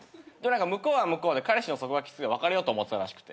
向こうは向こうで彼氏の束縛きつくて別れようと思ってたらしくて。